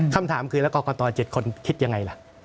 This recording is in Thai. คำถามคือแล้วกรกต๗คนคิดยังไงล่ะ